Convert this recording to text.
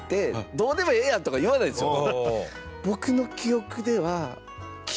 どうでもええやんとか言わないんですよ。